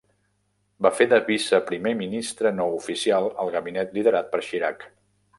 Va fer de viceprimer ministre no oficial al gabinet liderat per Chirac.